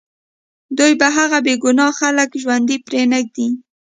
دوی به هغه بې ګناه خلک ژوندي پرېنږدي